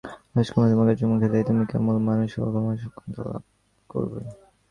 রাজকুমারী তোমাকে চুমো খেলেই তুমি কেবল মানুষ হওয়ার সক্ষমতা লাভ করবে।